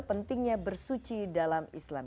pentingnya bersuci dalam islam